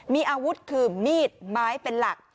มีอาวุธคือมีดไม้เป็นหลัก